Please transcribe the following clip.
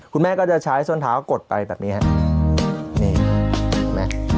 คุณแม่ก็จะใช้ส้นเท้ากดไปแบบนี้ครับ